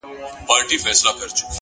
پوهه د محدود فکر کړکۍ پرانیزي’